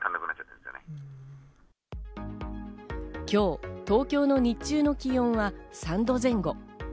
今日、東京の日中の気温は３度前後。